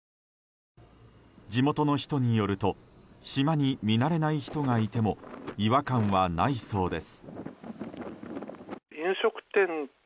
地元の人によると島に見慣れない人がいても違和感はないそうです。